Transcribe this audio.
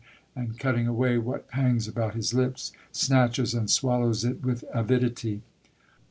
and cutting away what hangs about his lips, snatches and swallows it with avidity.